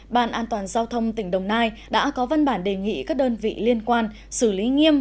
ban an toàn giao thông tỉnh đồng nai đã có văn bản đề nghị các đơn vị liên quan xử lý nghiêm